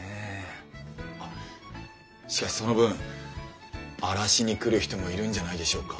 あっしかしその分荒らしに来る人もいるんじゃないでしょうか？